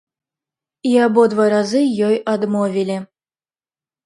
І абодва разы ёй адмовілі.